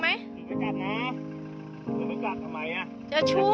ไม่กลับไม่กลับซะ